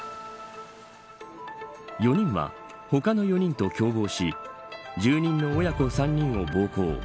４人は他の４人と共謀し住人の親子３人を暴行。